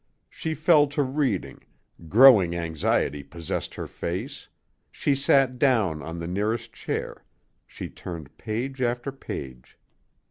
She fell to reading, growing anxiety possessed her face, she sat down on the nearest chair, she turned page after page.